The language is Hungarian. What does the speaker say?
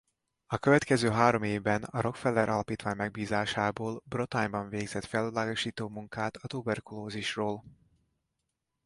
A következő három évben a Rockefeller Alapítvány megbízásából Bretagne-ban végzett felvilágosító munkát a tuberkulózisról.